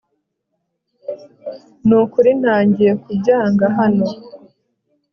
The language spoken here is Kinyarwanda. Nukuri ntangiye kubyanga hano